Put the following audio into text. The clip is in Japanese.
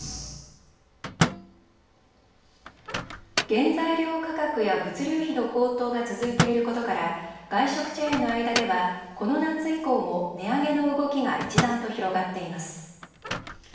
原材料価格や物流費の高騰が続いていることから外食チェーンの間ではこの夏以降も値上げの動きが一段と広がっています。